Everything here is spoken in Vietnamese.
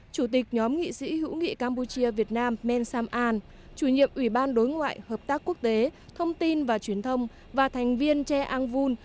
chủ tịch nhóm nghị sĩ hữu nghị campuchia việt nam men sam an chủ nhiệm ủy ban đối ngoại hợp tác quốc tế thông tin và truyền thông và thành viên che ang vun